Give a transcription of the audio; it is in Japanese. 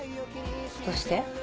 どうして？